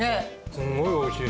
すごいおいしい！